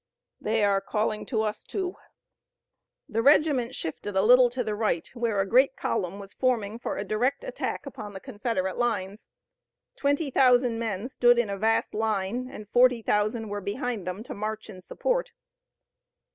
"They are calling to us, too." The regiment shifted a little to the right, where a great column was forming for a direct attack upon the Confederate lines. Twenty thousand men stood in a vast line and forty thousand were behind them to march in support.